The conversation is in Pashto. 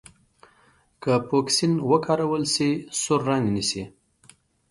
که فوکسین وکارول شي سور رنګ نیسي.